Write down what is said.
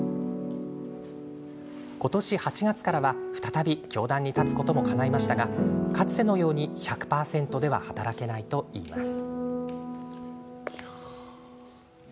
今年８月からは再び教壇に立つこともかないましたがかつてのように１００％では働けないといいます。